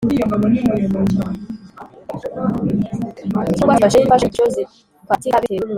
cyangwa se akifashisha izindi fashanyigisho zifatika bitewe n’umwandiko bagiye